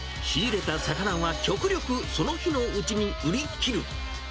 仕入れた魚は、極力その日のうちに売り切る。